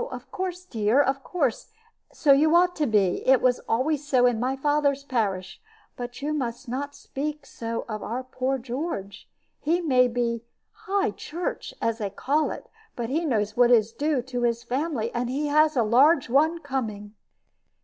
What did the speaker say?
"Of course, dear, of course; so you ought to be. It always was so in my father's parish. But you must not speak so of our poor George. He may be 'High Church,' as they call it; but he knows what is due to his family, and he has a large one coming."